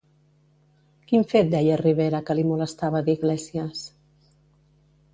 Quin fet deia Rivera que li molestava d'Iglesias?